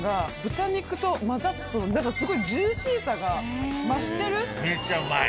すごいジューシーさが増してる。